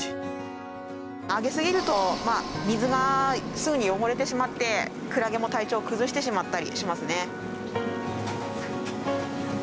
あげすぎると水がすぐに汚れてしまってクラゲも体調を崩してしまったりしますね。